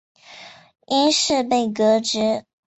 因事被革职。